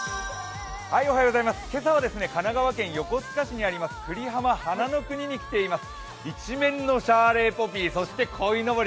今朝は神奈川県横須賀市にありますくりはま花の国に来ています。